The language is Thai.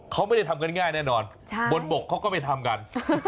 เขาไม่ได้ทำกันง่ายแน่นอนบนบกเขาก็ไปทำกัน